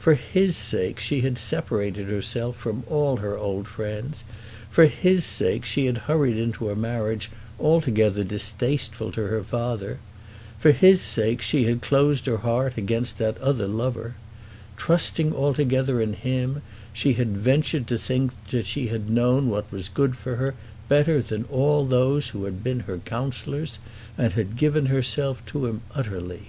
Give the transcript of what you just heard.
For his sake she had separated herself from all her old friends. For his sake she had hurried into a marriage altogether distasteful to her father. For his sake she had closed her heart against that other lover. Trusting altogether in him she had ventured to think that she had known what was good for her better than all those who had been her counsellors, and had given herself to him utterly.